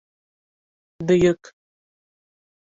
Бөйөк